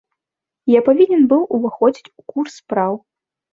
Я павінен быў уваходзіць у курс спраў.